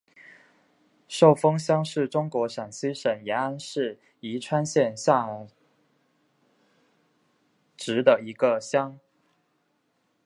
寿峰乡是中国陕西省延安市宜川县下辖的一个乡。